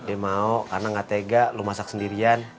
eh mau karena gak tega lu masak sendirian